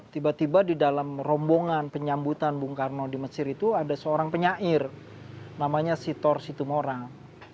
tiba tiba di dalam rombongan penyambutan bung karno di mesir itu ada seorang penyair namanya sitor situmorang